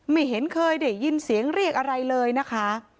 ไม่เห็นเคยได้ยินเสียงเรียกอะไรเลยนะคะ